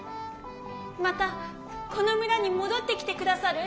またこの村に戻ってきて下さる？